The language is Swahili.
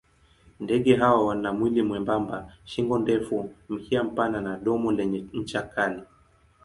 Ndege hawa wana mwili mwembamba, shingo ndefu, mkia mpana na domo lenye ncha kali.